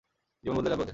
জীবন বদলে যাবে ওদের।